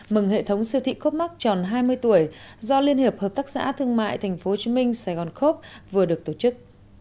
mừng hệ thống siêu thị cốc mắc tròn hai mươi tuổi do liên hiệp hợp tác xã thương mại tp hcm sài gòn cốc vừa được tổ chức